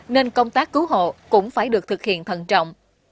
nên công tác cứu hộ cũng phải được thực hiện thận trọng